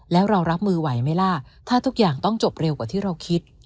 แล้วเรารับมือไหวไหมล่ะถ้าทุกอย่างต้องจบเร็วกว่าที่เราคิด